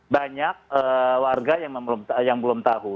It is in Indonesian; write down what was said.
banyak warga yang belum tahu